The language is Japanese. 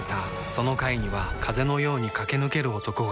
その階には風のように駆け抜ける男がいた